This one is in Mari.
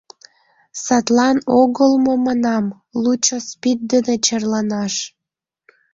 Садлан огыл мо манам: лучо СПИД дене черланаш.